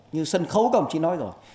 như sân khấu cầm chị nói rồi